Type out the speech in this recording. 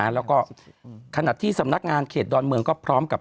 แล้วก็ขณะที่สำนักงานเขตดอนเมืองก็พร้อมกับ